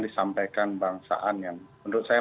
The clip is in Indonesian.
disampaikan bang saan yang menurut saya